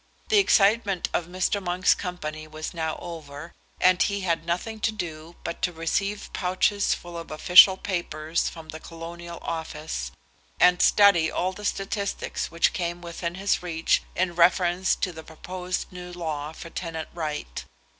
The excitement of Mr. Monk's company was now over, and he had nothing to do but to receive pouches full of official papers from the Colonial Office, and study all the statistics which came within his reach in reference to the proposed new law for tenant right.